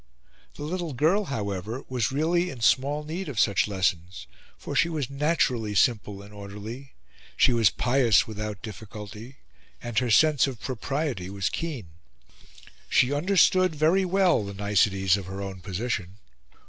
The little girl, however, was really in small need of such lessons, for she was naturally simple and orderly, she was pious without difficulty, and her sense of propriety was keen. She understood very well the niceties of her own position.